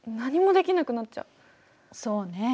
そうね。